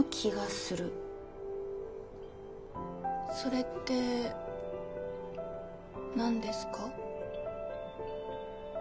それって何ですか？